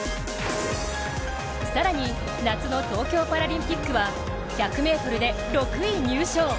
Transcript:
更に、夏の東京パラリンピックは１００ｍで６位入賞。